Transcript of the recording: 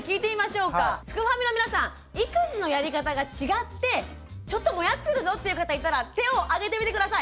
すくファミの皆さん育児のやり方が違ってちょっとモヤッてるぞっていう方いたら手をあげてみて下さい。